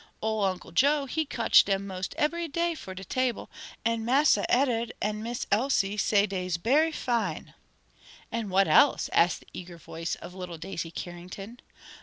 Ole Uncle Joe he kotch dem mos' ebery day for de table, an Massa Ed'ard an' Miss Elsie say dey's bery fine." "And what else?" asked the eager voice of little Daisy Carrington.